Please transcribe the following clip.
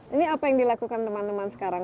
ini apa yang dilakukan teman teman sekarang